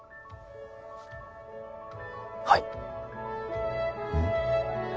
はい。